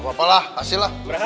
gapapa lah hasil lah